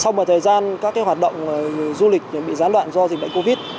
sau một thời gian các hoạt động du lịch bị gián đoạn do dịch bệnh covid